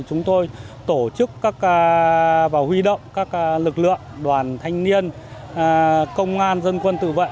chúng tôi tổ chức và huy động các lực lượng đoàn thanh niên công an dân quân tự vệ